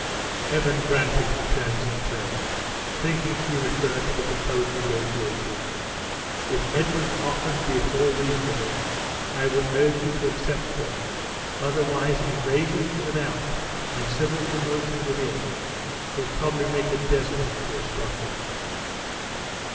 "Heaven grant it!" returned Sinclair, thinking he referred to the proposed negotiation. "If Edward's offers be at all reasonable, I would urge you to accept them; otherwise invasion from without, and civil commotion within, will probably make a desert of poor Scotland."